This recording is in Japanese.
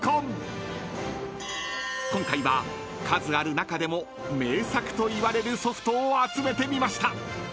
［今回は数ある中でも名作といわれるソフトを集めてみました］